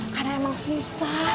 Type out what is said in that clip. karena emang susah